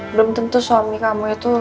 belum tentu suami kamu itu